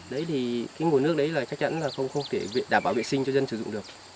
đấy thì cái nguồn nước đấy là chắc chắn là không thể đảm bảo vệ sinh cho dân sử dụng được